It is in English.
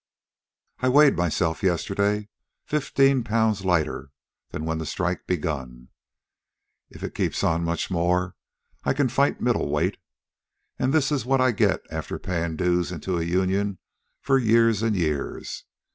I weighed myself yesterday. Fifteen pounds lighter than when the strike begun. If it keeps on much more I can fight middleweight. An' this is what I get after payin' dues into the union for years and years.